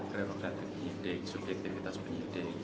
penyidik subjektivitas penyidik